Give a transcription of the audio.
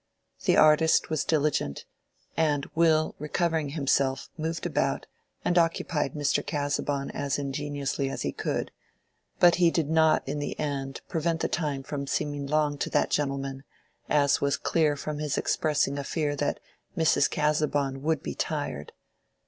The artist was diligent, and Will recovering himself moved about and occupied Mr. Casaubon as ingeniously as he could; but he did not in the end prevent the time from seeming long to that gentleman, as was clear from his expressing a fear that Mrs. Casaubon would be tired.